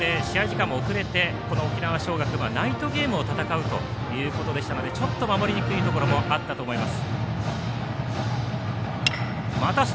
初戦は、雨の影響で試合時間が遅れて沖縄尚学はナイトゲームを戦うというところでしたのでちょっと守りにくいところもあったと思います。